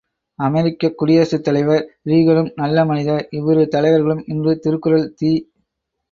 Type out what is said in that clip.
அமெரிக்கக் குடியரசுத் தலைவர் ரீகனும் நல்ல மனிதர், இவ்விரு தலைவர்களும் இன்று திருக்குறள் தி.